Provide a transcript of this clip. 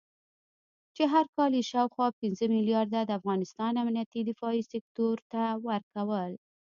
چې هر کال یې شاوخوا پنځه مليارده د افغانستان امنيتي دفاعي سکتور ته ورکول